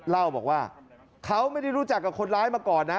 เล่าบอกว่าเขาไม่ได้รู้จักกับคนร้ายมาก่อนนะ